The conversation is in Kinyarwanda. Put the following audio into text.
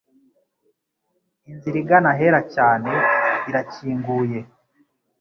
Inzira igana ahera cyane irakinguye.